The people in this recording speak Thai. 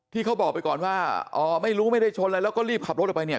เขาบอกไปก่อนว่าอ๋อไม่รู้ไม่ได้ชนอะไรแล้วก็รีบขับรถออกไปเนี่ย